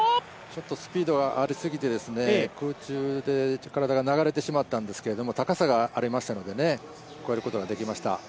ちょっとスピードがありすぎて、空中で体が流れてしまったんですけど、高さがありましたので越えることができました。